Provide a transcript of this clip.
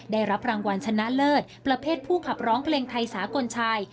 ได้รับรางวัลชนะเลิศประเภทผู้ขับร้องเพลงไทยสากลชาย